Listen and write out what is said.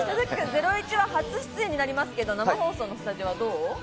『ゼロイチ』は初出演になりますけど生放送のスタジオはどう？